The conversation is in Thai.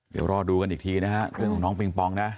เดี๋ยวเราดูกันอีกทีนะได้ไหมค่ะฟื้นของน้องปิงปองนะ